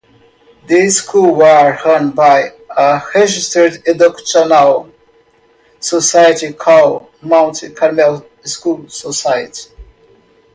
The schools are run by a registered educational society called Mount Carmel School Society.